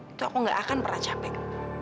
itu aku gak akan pernah capek